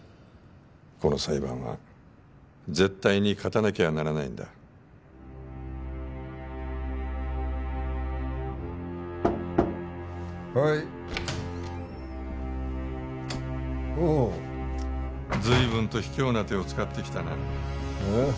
この裁判は絶対に勝たなきゃならないんだはいおお随分と卑怯な手を使ってきたなえッ？